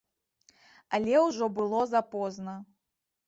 Але ўжо было запозна.